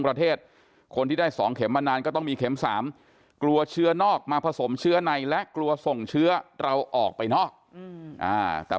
โพสท์เฟซบุ๊กเหมือนกันค่ะ